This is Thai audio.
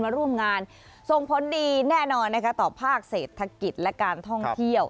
ร่วมงานส่งผลดีแน่นอนนะคะต่อภาคเศรษฐกิจและการท่องเที่ยว